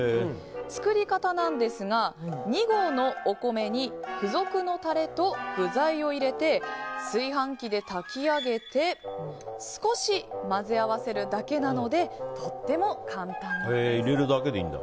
作り方なんですが２合のお米に付属のタレと具材を入れて炊飯器で炊き上げて少し混ぜ合わせるだけなのでとっても簡単です。